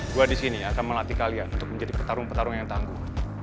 gue disini akan melatih kalian untuk menjadi petarung petarung yang tangguh